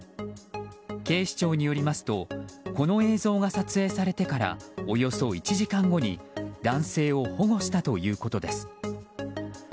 警視庁によりますとこの映像が撮影されてからおよそ１時間後に男性を保護したということです。